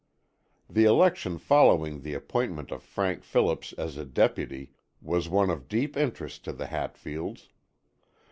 The election following the appointment of Frank Phillips as a deputy was one of deep interest to the Hatfields.